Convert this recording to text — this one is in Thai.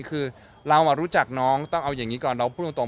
คือเรารู้จักน้องต้องเอาอย่างนี้ก่อนเราพูดตรง